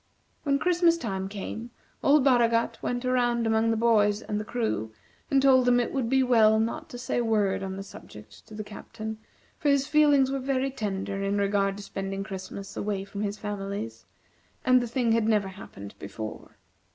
When Christmas time came, old Baragat went around among the boys and the crew, and told them it would be well not to say a word on the subject to the Captain, for his feelings were very tender in regard to spending Christmas away from his families, and the thing had never happened before.